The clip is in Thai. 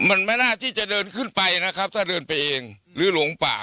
มันไม่น่าที่จะเดินขึ้นไปนะครับถ้าเดินไปเองหรือหลงป่า